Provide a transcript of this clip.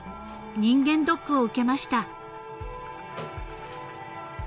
人間ドックを受けました］